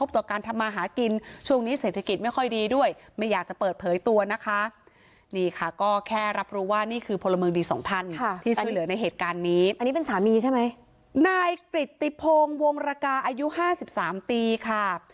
ใช่ไหมนายกฤติพงศ์วงรกาอายุห้าสิบสามปีค่ะ